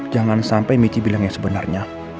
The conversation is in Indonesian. jangan sampai michi bilang yang sebenarnya